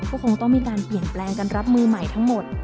ก็คงต้องมีการเปลี่ยนแปลงการรับมือใหม่ทั้งหมด